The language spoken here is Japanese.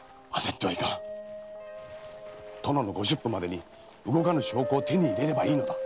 殿の出府までに動かぬ証拠を入手すればいいのだ。